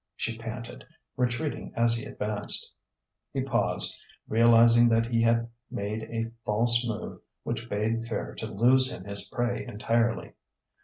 she panted, retreating as he advanced. He paused, realizing that he had made a false move which bade fair to lose him his prey entirely.